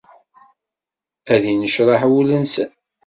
Ad innecraḥ wul-nsen!